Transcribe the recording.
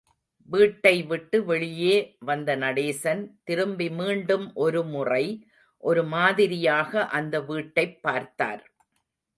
வீட்டைவிட்டு வெளியே வந்த நடேசன், திரும்பி மீண்டும் ஒருமுறை, ஒரு மாதிரியாக அந்த வீட்டைப் பார்த்தார்.